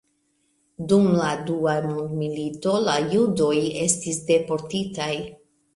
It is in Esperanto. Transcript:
Dum la dua mondmilito la judoj estis deportitaj.